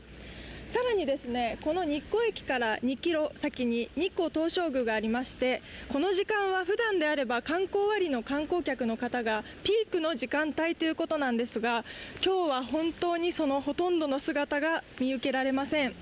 更に日光駅から２ｋｍ先に日光東照宮がありまして、この時間はふだんであれば観光終わりの観光客の方がピークの時間帯ということですが今日は本当に、そのほとんどの姿が見受けられません。